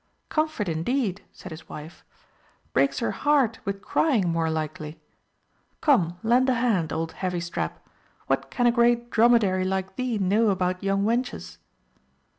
"Comfort indeed!" said his wife; "breaks her heart with, crying, more likely. Come, lend a hand, old heavy strap; what can a great dromedary like thee know about young wenches?"